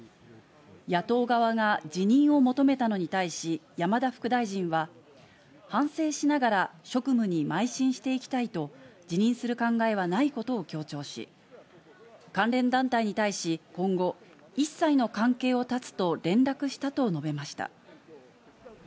野党側が辞任を求めたのに対し、山田副大臣は反省しながら職務にまい進していきたいと、辞任する考えはないことを強調し、関連団体に対し、今後、一切の関係を断つと連絡したと述べました。